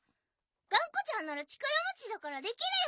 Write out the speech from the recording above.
がんこちゃんならちからもちだからできるよ。